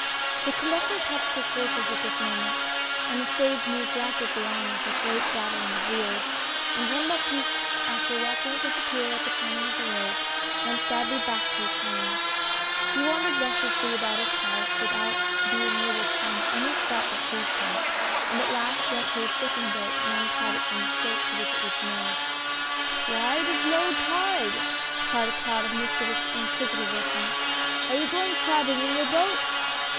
The conductor touched his horses at this moment, and the stage moved rapidly on with a great rattling of wheels, and Jean Baptiste, after watching it disap pear at the turning of the road, went sadly back to his home.. He wandered restlessly about his house without 4 66 ARRIVAL IX PARIS. being able to find any spot that pleased liim, and at last, went to his fishing boat and untied it from the stake to which it was moored. "Why, it is low tide!" cried a crowd of mischievous, inquisitive urchins. "Are you going crabbing in your boat?"